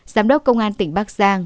giám đốc công an tỉnh bắc giang